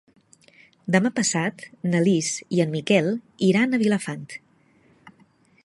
Demà passat na Lis i en Miquel iran a Vilafant.